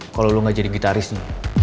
kalo lo gak jadi gitarisnya